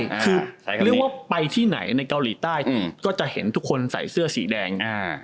คือเรียกว่าไปที่ไหนในเกาหลีใต้ก็จะเห็นทุกคนใส่เสื้อสีแดง